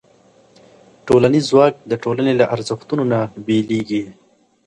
ټولنیز ځواک د ټولنې له ارزښتونو نه بېلېږي.